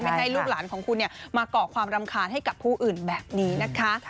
ให้ลูกหลานของคุณมาก่อความรำคาญให้กับผู้อื่นแบบนี้นะคะ